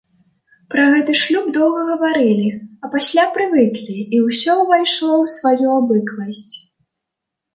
Пра гэты шлюб доўга гаварылі, а пасля прывыклі, і ўсё ўвайшло ў сваю абыкласць.